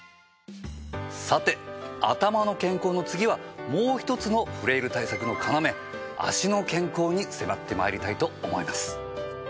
さて頭の健康の次はもう一つのフレイル対策の要脚の健康に迫ってまいりたいと思います。